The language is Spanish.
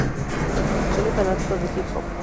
Soy un fanático del hip-hop.